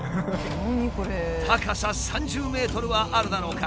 高さ３０ｍはあるだろうか？